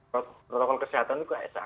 protokol kesehatan itu keesah